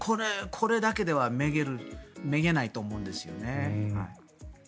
これだけではめげないと思うんですよね。